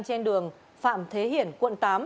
trên đường phạm thế hiển quận tám